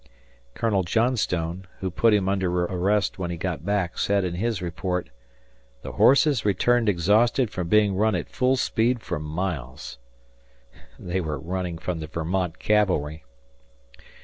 Colonel Johnstone, who put him under arrest when he got back, said in his report, "The horses returned exhausted from being run at full speed for miles." They were running from the Vermont cavalry.